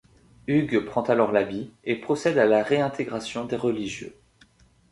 Hugues prend alors l'habit, et procède à la réintégration des religieux.